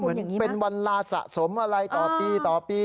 เหมือนเป็นวันลาสะสมอะไรต่อปีต่อปี